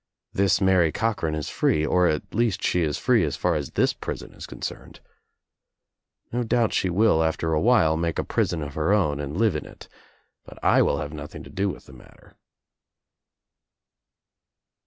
This Mary Cochran is free, or at least she is free as far as this prison is concerned. No doubt she will, after a while make a prison of her own and live in it, but I will have noth ing to do with the matter."